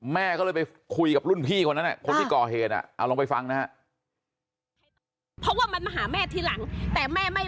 แม่ก็เลยไปคุยกับรุ่นพี่คนนั้นคนที่ก่อเหตุเอาลองไปฟังนะฮะ